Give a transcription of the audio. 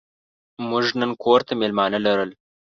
موږ نن کور ته مېلمانه لرل.